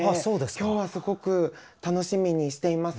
今日はすごく楽しみにしています。